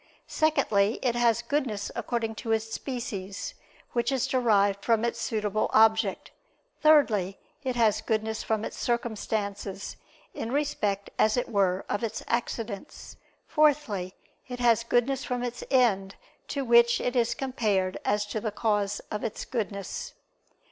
Secondly, it has goodness according to its species; which is derived from its suitable object. Thirdly, it has goodness from its circumstances, in respect, as it were, of its accidents. Fourthly, it has goodness from its end, to which it is compared as to the cause of its goodness.